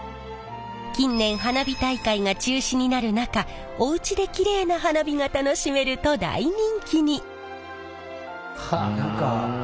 近年花火大会が中止になる中おうちできれいな花火が楽しめると大人気に。